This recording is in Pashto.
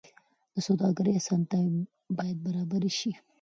د سوداګرۍ اسانتیاوې باید برابرې شي.